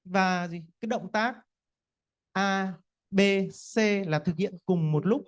và cái động tác a b c là thực hiện cùng một lúc